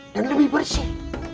dan lebih bersih